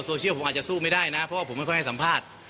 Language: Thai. โซเชียลผมอาจจะสู้ไม่ได้นะเพราะว่าผมไม่ค่อยให้สัมภาษณ์